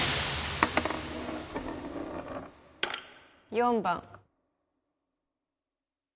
４番。